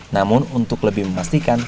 namun untuk lebih memastikan